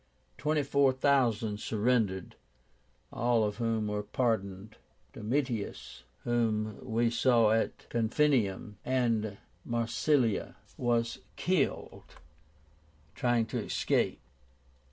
Twenty four thousand surrendered, all of whom were pardoned. Domitius, whom we saw at Corfinium and Massilia, was killed trying to escape.